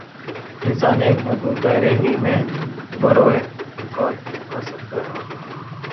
انسان ایک محدود دائرے ہی میں بروئے کار آ سکتا ہے۔